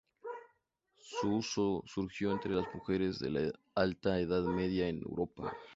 Su uso surgió entre las mujeres de la alta Edad Media en Europa.